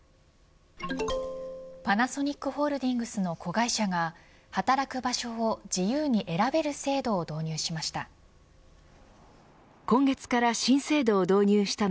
パナソニックホールディングスの子会社が、働く場所を自由に選べる制度を導入しました。